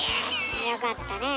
よかったねえ。